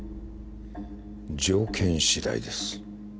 条件次第です